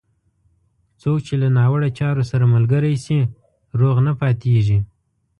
څوک چې له ناوړه چارو سره ملګری شي، روغ نه پاتېږي.